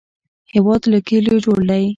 هېواد له کلیو جوړ دی